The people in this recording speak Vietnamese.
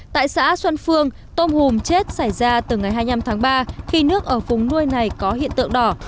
tại xã xuân phương tôm hùm chết xảy ra từ ngày hai mươi năm tháng ba khi nước ở vùng nuôi này có hiện tượng đỏ